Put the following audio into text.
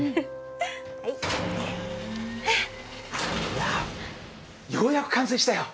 いやようやく完成したよ！